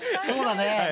そうだね。